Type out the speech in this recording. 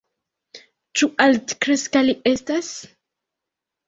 Ĉu altkreska li estas?